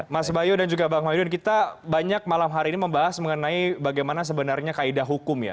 mas bayu dan juga bang mahyudin kita banyak malam hari ini membahas mengenai bagaimana sebenarnya kaedah hukum ya